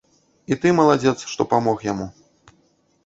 І ты маладзец, што памог яму.